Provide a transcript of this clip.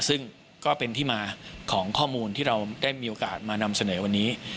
ซึ่งก็เป็นที่มาของข้อมูลที่เราได้มีโอกาสมานำเสนอวันนี้